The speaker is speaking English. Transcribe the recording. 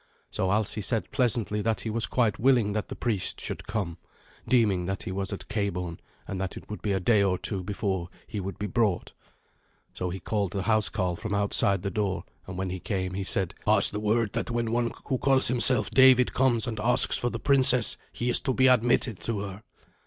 So Alsi said pleasantly that he was quite willing that the priest should come, deeming that he was at Cabourn, and that it would be a day or two before he would be brought. So he called the housecarl from outside the door, and when he came he said, "Pass the word that when one who calls himself David comes and asks for the princess, he is to be admitted to her."